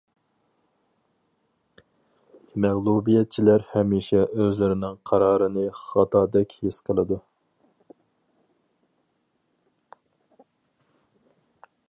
مەغلۇبىيەتچىلەر ھەمىشە ئۇزلىرىنىڭ قارارىنى خاتادەك ھېس قىلىدۇ.